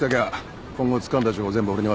今後つかんだ情報全部俺に渡せ。